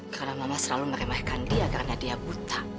karena mama selalu meremaikan dia karena dia buta